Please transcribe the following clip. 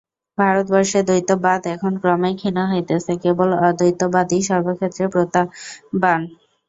ভারতবর্ষে দ্বৈতবাদ এখন ক্রমেই ক্ষীণ হইতেছে, কেবল অদ্বৈতবাদই সর্বক্ষেত্রে প্রতাপবান।